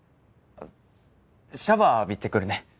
シャワー浴びてくるね